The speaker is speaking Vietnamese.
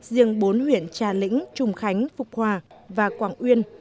riêng bốn huyện trà lĩnh trung khánh phục hòa và quảng uyên